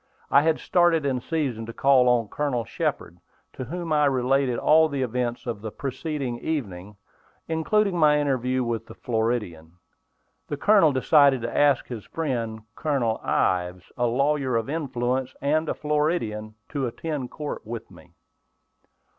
I had started in season to call on Colonel Shepard, to whom I related all the events of the preceding evening, including my interview with the Floridian. The Colonel decided to ask his friend, Colonel Ives, a lawyer of influence, and a Floridian, to attend court with me.